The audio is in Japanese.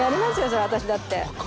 そりゃ私だって。